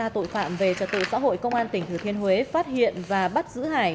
tội phạm về trật tự xã hội công an tỉnh thừa thiên huế phát hiện và bắt giữ hải